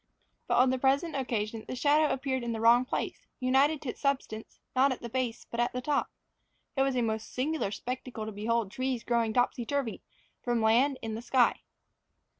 But, on the present occasion, the shadow appeared in the wrong place united to its substance, not at the base, but at the top. It was a most singular spectacle to behold trees growing topsy turvy, from land in the sky.